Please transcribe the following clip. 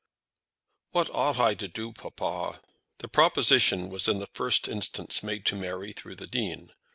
"What ought I to do, papa?" The proposition was in the first instance made to Mary through the Dean.